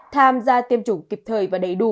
tham gia tiêm chủng kịp thời và đầy đủ